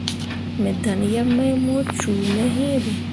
Me dan yeb mai mu cume iŋ be.